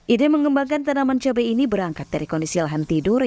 ide mengembangkan tanaman cabai ini berangkat dari kondisi lahan tidur